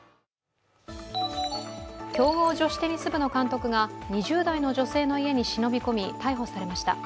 強豪女子テニス部の監督が２０代の女性の家に忍び込み、逮捕されました。